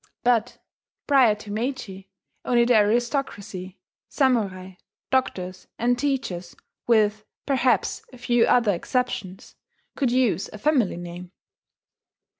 But, prior to Meiji, only the aristocracy, samurai, doctors, and teachers with perhaps a few other exceptions could use a family name.